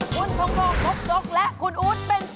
คุณโทโกโท๊กโท๊กและคุณอู๋เป็นต่อ